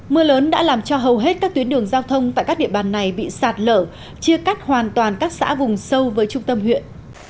mưa lớn đã làm cho hầu hết các tuyến đường giao thông tại các địa bàn này bị sạt lở chia cắt hoàn toàn các xã vùng sâu với trung tâm huyện